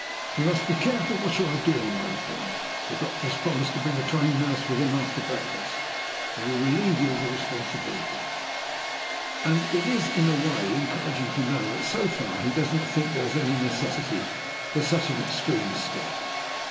"You must be careful what you are doing," I replied. "The doctor has promised to bring a trained nurse with him after breakfast, who will relieve you of the responsibility. I inquired whether he thought we had better send for her father, and it is in a way encouraging to know that, so far, he does not think there is any necessity for such an extreme step.